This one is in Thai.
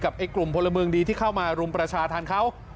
ไอ้กลุ่มพลเมืองดีที่เข้ามารุมประชาธรรมเขา